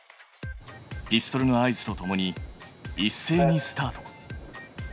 ピストルの合図とともにいっせいにスタート。